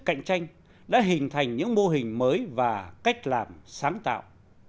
cạnh tranh đã hình thành những mô hình mới và cách làm sáng tạo